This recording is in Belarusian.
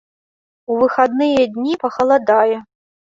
У выхадныя дні пахаладае.